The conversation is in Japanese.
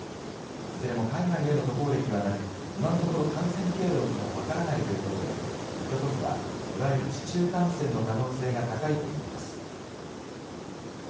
いずれも海外への渡航歴はなく今のところ感染経路も分からないということで京都府はいわゆる市中感染の可能性が高いと見ています。